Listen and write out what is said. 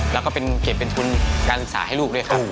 แล้วก็เป็นเก็บเป็นทุนการศึกษาให้ลูกด้วยครับ